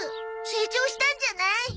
成長したんじゃない？